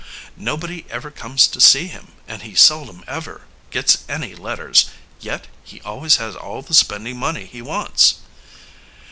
Nobody ever comes to see him, and he seldom ever gets any letters, yet he always has all the spending money he wants."